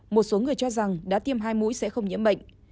một số người cho rằng đã tiêm hai mũi sẽ không nhiễm bệnh